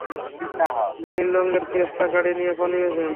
সে নীল রঙ্গের ফিয়েস্তা গাড়ি নিয়ে পালিয়ে যায়।